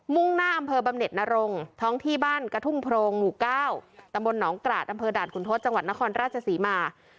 ่งหน้าอำเภอบำเน็ตนรงท้องที่บ้านกระทุ่มโพรงหมู่๙ตำบลหนองกราดอำเภอด่านขุนทศจังหวัดนครราชศรีมา